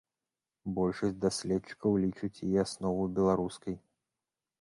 Большасць даследчыкаў лічаць яе аснову беларускай.